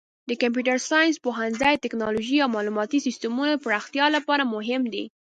د کمپیوټر ساینس پوهنځی د تکنالوژۍ او معلوماتي سیسټمونو پراختیا لپاره مهم دی.